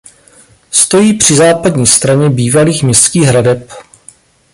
Stojí při západní straně bývalých městských hradeb.